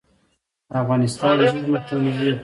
د افغانستان ژوي متنوع دي